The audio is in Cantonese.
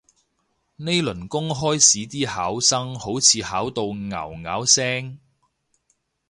呢輪公開試啲考生好似考到拗拗聲